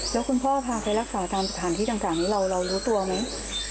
แล้วคุณพ่อพาไปรักษาตามสถานที่ต่างนี้เรารู้ตัวไหม